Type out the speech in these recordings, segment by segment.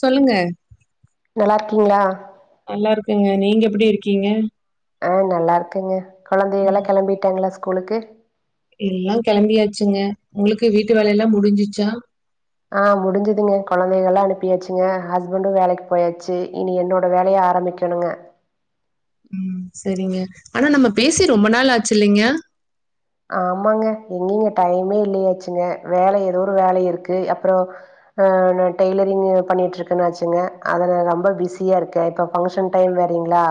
சொல்லுங்க நல்லாருக்கீங்களா நல்லா இருக்கேங்க நீங்க எப்டி இருக்கீங்க ஆ நல்லாருக்கேங்க கொழந்தைகளா கெளம்பிட்டாங்களா ஸ்கூலுக்கு எல்லா கெளம்பியாச்சுங்க உங்ளுக்கு வீட்டு வேலயெல்லா முடிஞ்சிச்சா ஆ முடிஞ்சதுங்க கொழந்தைகள அனுப்பியாச்சுங்க ஹஸ்பண்டு வேலைக்கு போயாச்சு இனி என்னோட வேலைய ஆரம்பிக் கனுங்க ம் சரிங்க ஆனா நம்ம பேசி ரொம்ப நாள் ஆச்சி இல்லிங்க ஆமாங்க எங்கிங்க டைமே இல்லையாச்சுங்க வேல ஏதோ ஒரு வேல இருக்கு அப்றோ ஆ நா டெய்லரிங் பண்ணிட்டுருக்கேன்னாச்சுங்க அதுல ரொம்ப பிஸியா இருக்கே இப்ப ஃபங்ஷன் டைம் வேறீங்ளா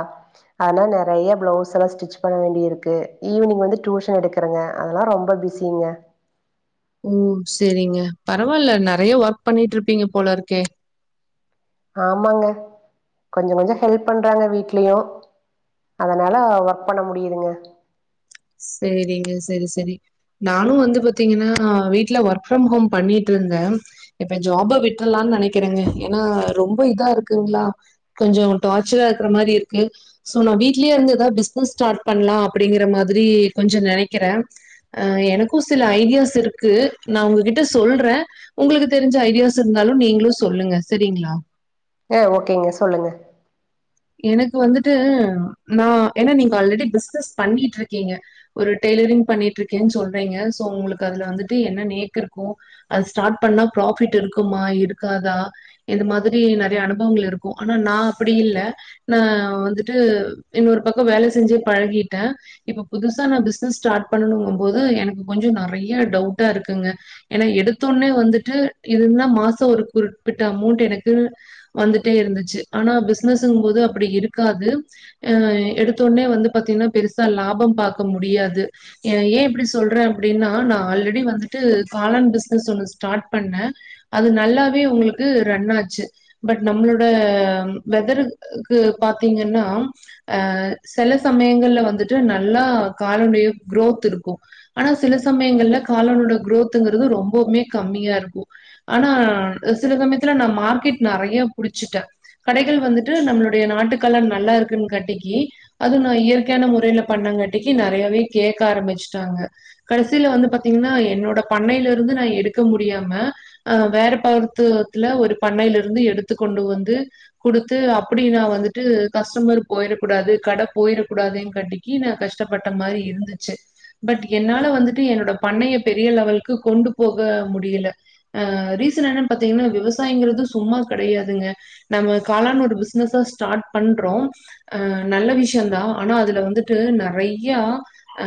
அதுனா நெறையா பிளவுஸ் எல்லா ஸ்டிச் பண்ண வேண்டி இருக்கு ஈவினிங் வந்து டியூஷன் எடுக் கறங்க அதலா ரொம்ப பிஸிங்க ஓ சேரிங்க பரவால்ல நெறைய்ய வர்க் பண்ணிட்ர்ப்பீங்க போல இருக்கே ஆமாங்க கொஞ்சோ கொஞ்சோ ஹெல்ப் பண்றாங்க வீட்லயு அதனால ஒர்க் பண்ண முடியுதுங்க சேரிங்க செரி செரி நானு வந்து பாத்தீங்கன்னா வீட்ல வர்க் ஃப்ரம் ஹோம் பண்ணிட்ருந்தே இப்ப ஜாப்ப விட்டுரலான்னு நெனைக்கிறேங்க ஏன்னா ரொம்ப இதா இருக்குங்ளா கொஞ்சோ டார்ச்சரா இருக்குற மாரி இருக்கு சோ நா வீட்லயே இருந்து ஏதாது பிஸ்னஸ் ஸ்டார்ட் பண்ணலா அப்டிங்கிற மாதிரி கொஞ்சோ நெனைக்கிறே ஆ எனக்கு சில ஐடியாஸ் இருக்கு நா உங்ககிட்ட சொல்றே உங்களுக்கு தெரிஞ்ச ஐடியாஸ் இருந்தாலு நீங்களு சொல்லுங்க சரிங்ளா ஆ ஓகேங்க சொல்லுங்க எனக்கு வந்துட்டு நா ஏன்னா நீங்க ஆல்ரெடி பிஸ்னஸ் பண்ணிட்டு இருக்கீங்க ஒரு டெய்லரிங் பண்ணிட்ர்க்கேன்னு சொல்றீங்க சோ உங்களுக்கு அதுல வந்துட்டு என்ன நேக்ர்க்கோ அது ஸ்டார்ட் பண்ணா ப்ராஃபிட் இருக்குமா இருக்காதா இது மாதிரி நெறைய அனுபவங்கள் இருக்கு ஆனா நா அப்டி இல்ல நா வந்துட்டு இன்னொர் பக்கோ வேல செஞ்சே பழகிட்டே இப்ப புதுசா நா பிஸ்னஸ் ஸ்டார்ட் பண்ணணுங்கும் போது எனக்கு கொஞ்சோ நெறையா டவுட்டா இருக்குங்க ஏன்னா எடுத்த ஒன்னே வந்துட்டு இதுன்னா மாசோ ஒரு குறிப்பிட்ட அமௌண்ட் எனக்கு வந்துட்டே இருந்துச்சு ஆனா பிஸ்னஸுங்கும் போது அப்டி இருக்காது ஆ எடுத்த ஒன்னே வந்து பாத்தீங்கன்னா பெருசா லாபம் பாக்க முடியாது எ ஏ இப்டி சொல்றே அப்டின்னா நா ஆல்ரெடி வந்துட்டு காளான் பிஸ்னஸ் ஒன்னு ஸ்டார்ட் பண்ணே அது நல்லாவே உங்களுக்கு ரன் ஆச்சு பட் நம்மளோட வெதரு க்கு பாத்தீங்கன்னா ஆ செல சமயங்கள்ல வந்துட்டு நல்லா காளானுடைய குரோத் இருக்கு ஆனா சில சமயங்கள்ல காளானோட குரோத்துங்றது ரொம்பவ்மே கம்மியா இருக்கு ஆனா சில சமயத்துல நா மார்க்கெட் நெறைய புடிச்சுட்டே கடைகள் வந்து ட்டு நம்மளுடைய நாட்டுக்காளான் நல்லா இருக்குன் காட்டிக்கி அது நா இயற்கையான முறைல பண்ணங்காட்டிக்கி நறையவே கேக்க ஆரம்பிச்ட்டாங்க கடைசில வந்து பாத்தீங்ன்னா என்னோட பண்ணைலிருந்து நா எடுக்க முடியாம அ வேற பகுத்துத்துல ஒரு பண்ணையில இருந்து எடுத்து கொண்டு வந்து து அப்படின்னா வந்துட்டு கஸ்டமர் போயிறக்கூடாது கட போயிறக்கூடாதுன் காட்டி க்கி ந கஷ்டப்பட்ட மாரி இருந்துச்சு பட் என்னால வந்துட்டு என்னோட பண்ணைய பெரிய லெவல்க்கு கொண்டு போக முடியல ஆ ரீசன் என்னன் பாத்தீங்ன்னா விவசாயங்றது சும்மா கடையாதுங்க நம்ம காளான் ஒரு பிஸ்னஸ ஸ்டாட் பண்றோ ஆ நல்ல விஷ்யோதா ஆனா அதுல வந்துட்டு நறையா ஆ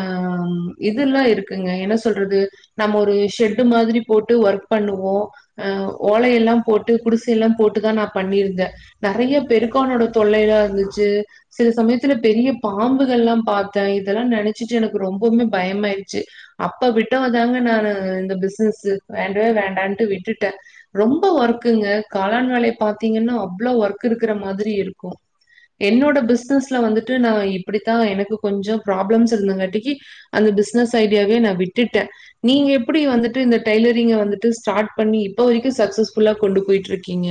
இதுல்லா இருக்குங்க என்ன சொல்றது நம்ம ஒரு ஷெட்டு மாதிரி போட்டு ஒர்க் பண்ணுவோ அ ஓலை எல்லா போட்டு குடிசை எல்லா போட்டுதா நா பண்ணிருந்தே நறைய பெருக்கானோட தொல்லையா இருந்துச்சு சில சமயத்துல பெரிய பாம்புகள்லா பாத்தே இதெல்லா நினச்சிட்டு எனக்கு ரொம்பமே பயமாய்ருச்சு அப்ப விட்டவ தாங்க நானு இந்த பிஸ்னசு வேண்டவே வேண்டான்ட்டு விட்டுட்ட ரொம்ப ஒர்க்குங்க காளான் வேலைய பாத்தீங்கன்னா அவ்ளோ ஒர்க் இருக்குற மாதிரி இருக்கு என்னோட பிஸ்னஸ்ல வந்துட்டு நா இப்படித்தா எனக்கு கொஞ்சோ ப்ராப்ளம்ஸ் இருந்தங்காட்டிக்கி அந்த பிஸ்னஸ் ஐடியாவே நா விட்டுட்ட நீங்க எப்படி வந்துட்டு இந்த டெய்லரிங்க வந்துட்டு ஸ்டார்ட் பண்ணிட்டு சக்சஸ்ஃபுல்லா கொண்டு போய்ட்டு இருக்கீங்க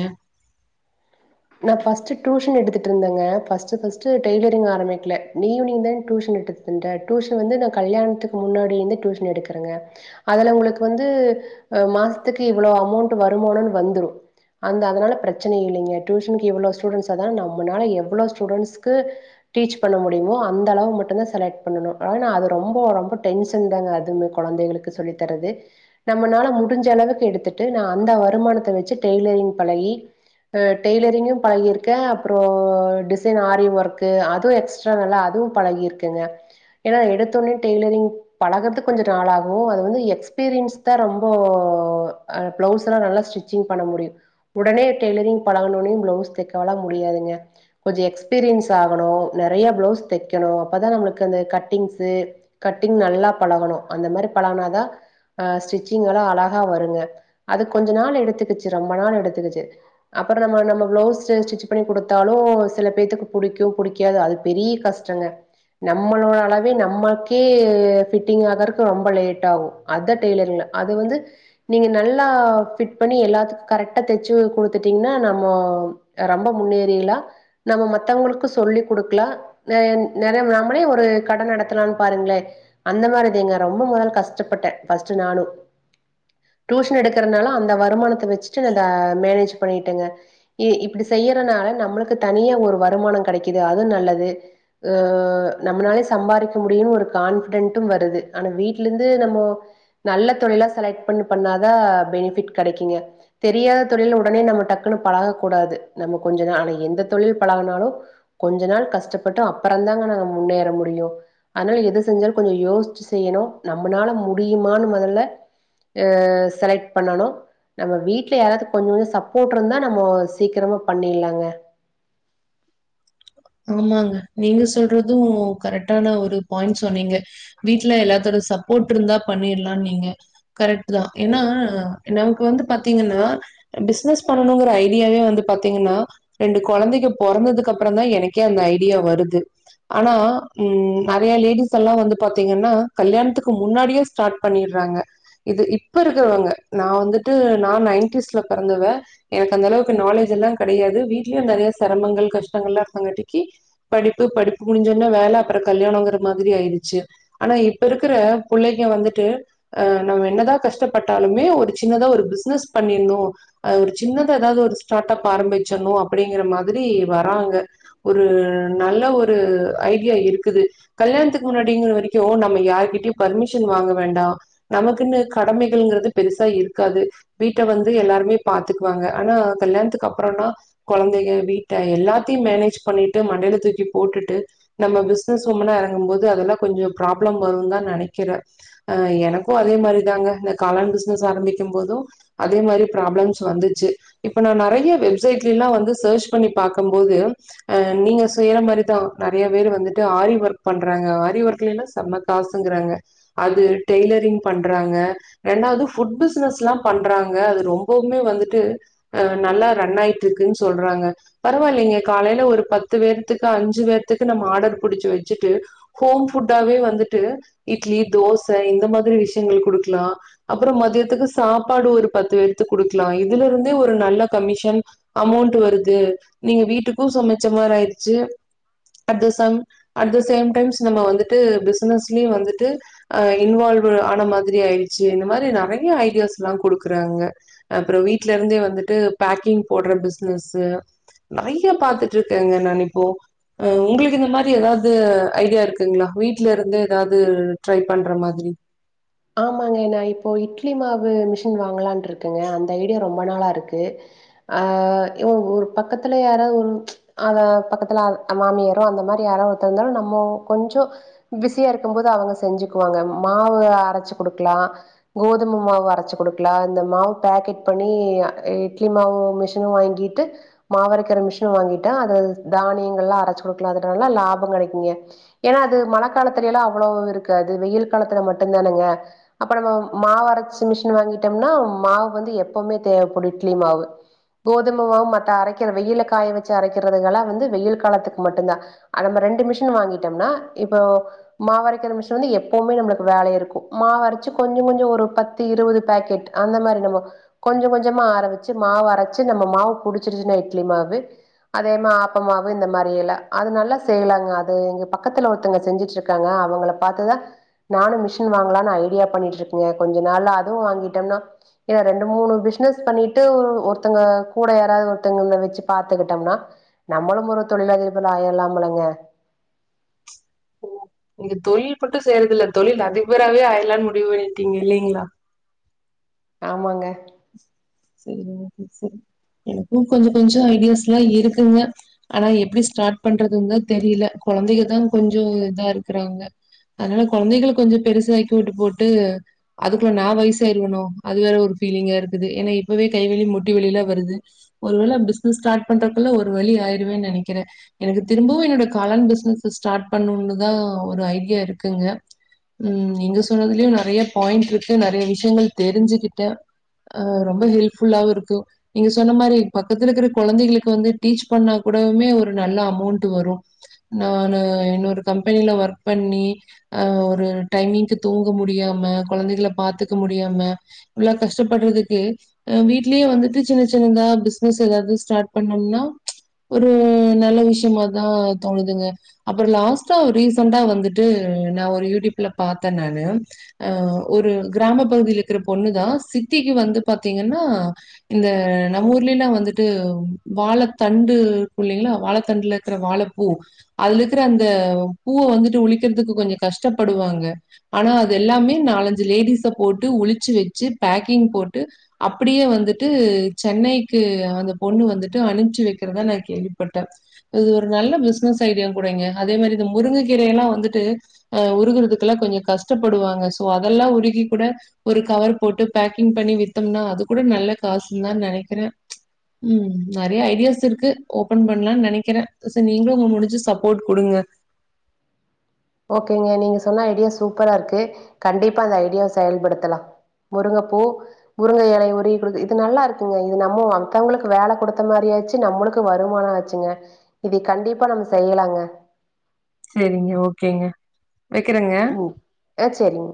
நா பஸ்ட்டு டூஷன் எடுத்துட்டுருந்தேங்க ஃபஸ்ட்டு ஃபஸ்ட்டு டெயரிலிங் ஆரம்பிக்கல ஈவினிங்தா டூஷன் எடுத்து ந்த டூஷன் வந்து நா கல்யாணத்துக் முன்னாடி இருந்து டூஷன் எடுக்கறேங்க அதுல உங்களுக்கு வந்து மாசத்துக்கு இவ்ளோ அமௌண்ட் வருமானோன் வந்துரு அந்த அதனால பிரச்சனை இல்லிங்க டூஷனுக்கு இவ்ள ஸ்டூடண்ட்ஸ் அதா நம்மலா எவ்ளோ ஸ்டூடண்ட்ஸ்கு டீச் பண்ண முடியுமோ அந்தளவு மட்டுதா செலெக்ட் பண்ணணு ஆனா அது ரொம்ப ரொம்ப டென்ஷன் தாங்க அதுவு குழந்தைகளுக் சொல்லித்தரது நம்மனால முடிஞ்ச அளவுக்கு எடுத்துட்டு நா அந்த வருமானத்த வெச்சு டெய்லரிங் பழகி ட்ட டெய்லரிங்கு பழகியிர்க்கே அப்றோ டிசைன் ஆரி ஒர்க்கு அது எக்ஸ்ட்டனலா அதுவு பழகியிர்க் கங்க ஏன்னா எடுத்தவுன்னே டெய்லரிங் பழகறதுக் கொஞ்ச நாளாகு அது வந்து எக்ஸ்பீரியன்ஸ் தா ரொம்ப அ பிளவுஸ் எல்லா நல்லா ஸ்டிச்சிங் பண்ண முடியு உடனே டெய்லரிங் பழகனுனே பிளவுஸ் தெக்கலா முடியாதுங்க கொஞ்ச எக்ஸ்பீரியன்ஸ் ஆகணு நறைய பிளவுஸ் தெக்கணு அப்பதா நம்மளுக்கு அந்த கட்டிங்சு கட்டிங் நல்லா பழகனு அந்த மாரி பழகனாதா அ ஸ்டிச்சிங் எல்லா அழகா வருங்க அது கொஞ்ச நாள் எடுத்துக்குச்சு ரொம்ப நாள் எடுத்துக்குச்சு அப்பறம் நம்ம நம்ம பிளவுஸ் ஸ்டிச் பண்ணி கொடுத்தாலு சில பேத்துக்கு புடிக்கு புடிக்காது அது பெரிய கஷ்டங்க நம்மளோட அளவே நம்மக்கே ஃபிட்டிங் ஆகறக்கு ரொம்ப லேட்டாகு அதா டெய்லரிங்ல அது வந்து நீங்க நல்லா ஃபிட் பண்ணி எல்லாத்துக்கு கரெக்ட்டா தெச்சு குடுத் த்துட்டீங்ன்னா நம்மோ ரம்ப முன்னேறிலா நம்ம மத்தவங்களுக்கு சொல்லி் குடுக்லா ந நிறைய நம்மளே ஒரு கட நடத்தலான் பாருங்களே அந்த மாரி தாங்க ரொம்ப முதல் கஷ்டப்பட்டே ஃபஸ்ட்டு நானு டூஷன் எடுக்கறனால அந்த வருமானத்த வச்சுட்டு ஆ மேனேஜ் பண்ணிட்டேங்க இ இப்டி செய்யறனா நம்மளுக் தனியா ஒரு வருமானோ கடைக்குது அது நல்லது ஆ நம்னாலே சம்பாரிக்க முடியுன் ஒரு கான்ஃப்டென்ட்டும் வருது ஆனா வீட்லேந்து நம்மோ நல்ல தொழிலா செலக்ட் பண் பண்ணாதா பெனிஃபிட் கடைக்குங்க தெரியாத தொழில் உடனே நம்ம டக்குன்னு பழக கூடாது நம்ம கொஞ்ச நா ஆனா எந்த தொழில் பழகனாலு கொஞ்ச நாள் கஷ்டப்பட்டு அப்பறந்தாங்க நாங்க முன்னேற முடியு அதனால எது செஞ்சாலு கொஞ்சோ யோசிச்சு செய்யணு நம்மளால முடியுமான்னு மொதல்ல செலக்ட் பண்ணணு நம்ம வீட்ல யாராது கொஞ்சோ சப்போட் இருந்தா நம்மோ சீக்கிரமா பண்ணிர்லாங்க ஆமாங்க நீங்க சொல்றது கரெக்டான ஒரு பாய்ண்ட் சொன்னீங்க வீட்ல எல்லாத்தோட சப்போர்ட் இருந்தா பண்ணிர்லான்னு நீங்க கரெக்ட்தா ஏனா நமக்கு வந்து பாத்தீங்னா பிசினஸ் பண்ணணுங்கிற ஐடியாவே வந்து பாத்தீங்னா ரெண்டு கொழந்தைங்க பொறந்ததுக்கு அதுக்கப்பறந்தா எனக்கே அந்த ஐடியா வருது ஆனா ம் நெறையா லேடிஸ் எல்லா வந்து பாத்தீங்கன்னா கல்யாணத்துக்கு முன்னாடியே ஸ்டார்ட் பண்ணிர்றாங்க இது இப்ப இருக்கறவங்க நா வந்துட்டு நா நைன்டீஸ்ல பிறந்தவ எனக்கு அந்த அளவுக்கு நாலேஜ் எல்லாங் கெடையாது வீட்லயு நெறையா சிரமங்கள் கஷ்டங்கள் எல்லா இருந்தங்காட்டிக்கு படிப்பு படிப்பு முடிஞ்சொன்ன வேல அப்றோ கல்யாணோங்கிற மாதிரி ஆயிருச்சு ஆனா இப்ப இருக்கற புள்ளைங்க வந்துட்டு அ நம்ம என்னதா கஷ்டப்பட்டாலுமே ஒரு சின்னதா ஒரு பிசினஸ் பண்ணிரனு அ ஒரு சின்னத எதாவது ஒரு ஸ்டார்ட் அப் ஆரம்பிச்சுர்ணு அப்டிங்கிற மாதிரி வராங்க ஒரு நல்ல ஒரு ஐடியா இருக்குது கல்யாணத்துக்கு முன்னாடிங்கிற வரைக்கு நம்ம யார்கிட்டயு பர்மிஷன் வாங்க வேண்டா நமக்குன்னு கடமைகளுங்கிறது பெருசா இருக்காது வீட்ட வந்து எல்லாருமே பாத்துக்குவாங்க ஆனா கல்யாணத்துக்கப்றோனா கொழந்தங்க வீட்ட எல்லா த்தையு மேனேஜ் பண்ணிட்டு மண்டைல தூக்கி போட்டுட்டு நம்ம பிசினஸ் உமனா எறங்கும் போது அதெல்லா கொஞ்சோ ப்ராப்ளம் வரும்தான் நெனைக்கிற அ எனக்கு அதே மாரிதாங்க இந்த காளான் பிசினஸ் ஆரம்பிக்கும்போது அதே மாரி ப்ராப்ளம்ஸ் வந்துச்சு இப்ப நா நெறையா வெப்சைட்ல எல்லா வந்து சேர்ச் பண்ணி பாக்கம் போது அ நீங்க செய்யற மாரிதா நெறையா பேர் வந்துட்டு ஆரி ஒர்க் பண்றாங்க ஆரி ஒர்க்லல்லா செம்ம காசுங்றாங்க அது டெய்லரிங் பண்றாங்க ரெண்டாவது பஃஉட் பிஸ்னஸ்ல்லா பண்றாங்க அது ரொம்பவுமே வந்துட்டு அ நல்லா ரன் ஆயிட்டு இருக்குன்னு சொல்றாங்க பரவாயில்லைங்க காலைல ஒரு பத்து வேர்த்துக்கு அஞ்சு வேர்த்துக்கு நம்ம ஆர்டர் புடிச்சு வெச்சுட்டு ஹோம் ஃபுட்டாவே வந்துட்டு இட்லி தோச இந்த மாதிரி விஷ்யங்கள் குடுக்கலா அப்றோ மதியத்துக்கு சாப்பாடு ஒரு பத்து வேர்த்துக்கு குடுக்லா இதுலிருந்தே ஒரு நல்ல கமிஷன் அமௌண்ட் வருது நீங்க வீட்டுக்கு சமச்ச மாரி ஆய்ருச்சு அத்தசம் அட் த சேம் டைம்ஸ் நம்ம வந்துட்டு பிசினஸ்லயு வந்துட்டு அ இன்வால்வ் ஆன மாதிரி ஆய்ருச்சு இந்த மாரி நெறையா ஐடியாஸ்ல்லா குடுக்கறாங்க அப்றோ வீட்ல இருந்தே வந்துட்டு பேக்கிங் போடுற பிசினஸ் நெறையா பாத்துட்டுருக்கேங்க நா இப்போ அ உங்களுக்கு இந்த மாரி எதாவது ஐடியா இருக்குங்ளா வீட்ல இருந்து எதாவது ட்ரை பண்ற மாதிரி ஆமாங்க நா இப்போ இட்லி மாவு மிஷின் வாங்லான்ருக்கங்க அந்த ஐடியா ரொம்ப நாளா இருக்கு ஆ எ ஓ பக்கத்துல யாரா ஒரு அத பக்கத்ல மாமியாரோ அந்த மாரி யாரோ ஒருத்த இருந்தாலு நம்மோ கொஞ்சோ பிஸியாருக்கும்போது அவுங்க செஞ்சுக்குவாங்க மாவு அரச்சு குடுக்லா கோதும மாவு அரச்சு குடுக்கலா இந்த மாவு பேக்கெட் பண்ணி இட்லி மாவு மிஷ் [unintelligible] வாங்கிட்டு மாவரைக்கிற மிஷினு வாங்கிட்டே அது தானியங்கள்லா அரச்சு குடுக்லா அதுல நல்லா லாபோ கெடைக்குங்க ஏனா அது மழ காலத்துலைல்லா அவ்ளோ இருக்காது வெயில் காலத்துல மட்டுந்தானங்க அப்ப நம்ம மாவரச்சு மிஷின் வாங்கிட்டம்னா மாவு வந்து எப்பவுமே தேவப்படு இட்லி மாவு கோதும மாவு மத்த அரைக்கிற வெயில்ல காய வச்சு அரைக்கிறதுகல்லா வந்து வெயில் காலத்துக்கு மட்டுந்தா ஆ‌ நம்ம ரெண்டு மிஷின் வாங்கிட்டம்னா இப்போ மாவரைக்கிற மிஷின் வந்து எப்போமே நம்ளுக்கு வேல இருக்கு மாவரைச்சி கொஞ்சொ கொஞ்சோ ஒரு பத்து இருவது பாக்கெட் அந்த மாரி நம்ம கொஞ்ச கொஞ்சமா ஆர வச்சு மாவரச்சு நம்ம மாவு புடிச்சிருச்சுன்னா இட்லி மாவு அதே மா ஆப்ப மாவு இந்த மாரியெல்லா அது நல்லா செய்லாங்க அது இங்க பக்கத்துல ஒருத்தோங்க செஞ்சுட்ரு க்காங்க அவங்கள பாத்துதா நானு மிஷின் வாங்லான் ஐடியா பண்ணிட்ருக்கேங்க கொஞ்ச நாள் அதுவு வாங்கிட்டன்னா ஏனா ரெண்டு மூனு பிசினஸ் பண்ணிட்டு ஒருத்தங்க கூட யாராது ஒருத்தங்கள வச்சு பாத்துகிட்டம்னா நம்மளும் ஒரு தொழிலதிபர் ஆயிரலாம் போலைங்க நீங்க தொழில் மட்டு செய்றதில்ல தொழில் அதிபராவே ஆயிர்லான் முடிவு பண்ணட்டீங்க இல்லிங்ளா ஆமாங்க செரிங்க செரிங் எனக்கு கொஞ்சோ கொஞ்சோ ஐடியாஸ்லா இருக்குங்க ஆனா எப்டி ஸ்டார்ட் பண்றதுன்தா தெரில கொழந்தைக தா கொஞ்சோ இதாருக்றாங்க அதனால கொழந்தைகள கொஞ்சொ பெருசாக்கி வுட்டுபொட்டு அதுக்குள்ள நா வய்சாய்ருவனோ அது வேற ஒரு பீலிங்கா இருக்குது ஏனா இப்பவே கைவலி முட்டி வலிலா வருது ஒரு வேள பிசினஸ் ஸ்டார்ட் பண்றக்குள்ள ஒரு வலி ஆயிருவேன் நெனைக்கிறே எனக்கு திரும்பவு என்னோட காளான் பிசினஸ ஸ்டார்ட் பண்ணுன்தா ஒரு ஐடியா இருக்குங்க ம் நீங்க சொன்னதுலயு நறைய பாயிண்ட்ருக்கு நறைய விஷ்யங்கள் தெரிஞ்சுக்கிட்டே ஆ ரொம்ப ஹெல்ப் ஃபுல்லாவு இருக்கு நீங்க சொன்ன மாரி பக்கத்துலருக்ற கொழந்தைகளுக்கு வந்து டீச் பண்ணா கூடவுமே ஒரு நல்ல அமௌண்ட்டு வரு நானு இன்னொரு கம்பெனில ஒர்க் பண்ணி ஆ ஒரு டைமிங்க்கு தூங்க முடியாம கொழந்தைகள பாத்துக்க முடியாம இவ்ளோ கஷ்டப்பட்றதுக்கு ஆ வீட்லே வந்துட்டு சின்ன சின்னதா பிசினஸ் எதாது ஸ்டார்ட் பண்ணம்னா ஒரு நல்ல விஷ்யமாதா தோனுதுங்க அப்றோ லாஸ்ட்டா ரீசென்டா வந்துட்டு நா ஒரு யூடியூப்ல பாத்தே நானு ஆ ஒரு கிராம பகுதிலக்ற பொண்ணுதா சிட்டிக்கு வந்து பாத்தீங்கன்னா இந்த நம்ம ஊர்லில்லா வந்துட்டு வாழத்தண்டு இருக்கு இல்லைங்ளா வாழத்தண்டுல க்ற வாழப்பூ அதுலக்ற அந்த பூவ வந்து உழிக்கிறதுக்கு கொஞ்சொ கஷ்டப்படுவாங்க ஆனா அது எல்லாமே நாலஞ்சு லேடிஸ போட்டு உழிச்சு வச்சு பேக்கிங் போட்டு அப்டியே வந்துட்டு சென்னைக்கு அந்த பொண்ணு வந்துட்டு அனுப்ச்சு வெக்றதா நா கேள்வி பட்டே இது ஒரு நல்ல பிசினஸ் ஐடியா கூடேங்க அதே மாரி இந்த முருங்க கீரயெல்லா வந்துட்டு ஆ உருகுறதுக்கல்லா கொஞ்சொ கஷ்டப்படுவாங்க ஸோ அதல்லா உருகி கூட ஒரு கவர் போட்டு பேக்கிங் பண்ணி வித்தம்னா அது கூட நல்ல காசுன் தா நெனைக்கிறே ம் நறைய ஐடியாஸ் இருக்கு ஓபன் பண்லான் நெனைக்கிறே செரி நீங்ளு உங்க முடிஞ்ச சப்போர்ட் குடுங்க ஓகேங்க நீங்க சொன்ன ஐடியா சூப்பராருக்கு கண்டிப்பா அந்த ஐடியா செயல்படுத்தலா முருங்கப்பூ முருங்க எலைய உருவி குடுத்து இது நல்லாருக்குங்க இது நம்ம மத்தோங்ளுக்கு வேல குடுத்த மாரியு ஆச்சு நம்மளுக்கு வருமானோ ஆ ச்சுங்க இது கண்டிப்பா நம்ம செய்லாங்க செரிங்க ஓகேங்க வைக்கிறேங்க. ம் ஆ செரிங்க